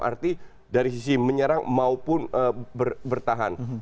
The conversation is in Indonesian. arti dari sisi menyerang maupun bertahan